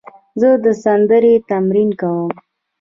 زه د سندرې تمرین کوم.